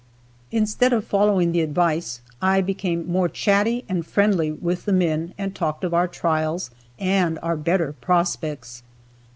Instead of following the advice, I became more chatty and friendly with the men and talked of our trials and our better prospects.